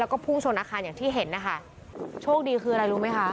แล้วก็พุ่งชนอาคารอย่างที่เห็นนะคะโชคดีคืออะไรรู้ไหมคะ